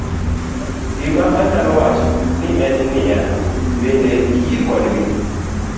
gima anyalo wacho ni en ni ya, bende iyie kodgi?'